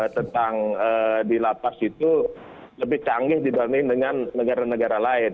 tentang di lapas itu lebih canggih dibanding dengan negara negara lain